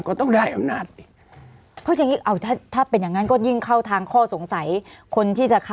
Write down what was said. ก็ต้องได้อำนาจ